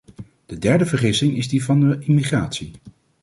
De derde vergissing is die van de immigratie.